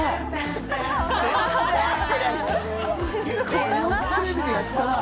これよくテレビでやったなぁ！